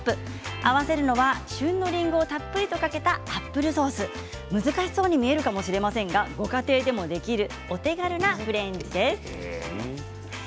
合わせるのは旬のりんごをたっぷりとかけたアップルソース難しそうに見えるかもしれませんがご家庭でもできるお手軽なフレンチです。